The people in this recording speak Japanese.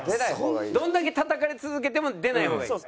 どれだけたたかれ続けても出ない方がいい。